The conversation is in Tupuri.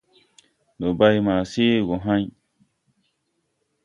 Ndɔ bay ma seege gɔ hãy.